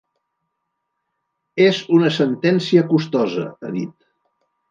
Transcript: És una sentència costosa, ha dit.